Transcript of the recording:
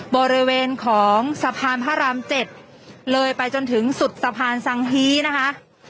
บริเวณของสะพานพระราม๗เลยไปจนถึงสุดสะพานสังฮีนะคะ